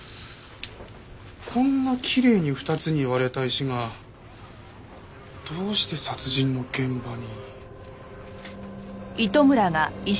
こんなきれいに２つに割れた石がどうして殺人の現場に？